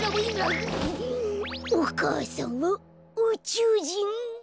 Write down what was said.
お母さんはうちゅうじん！？